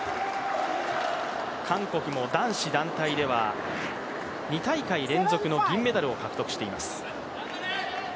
韓国も男子団体では２大会連続の銀メダルを獲得しています。